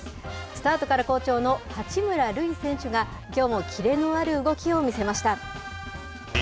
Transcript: スタートから好調の八村塁選手が、きょうもキレのある動きを見せました。